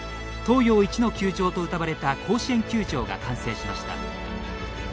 東洋一の球場と、うたわれた甲子園球場が完成しました。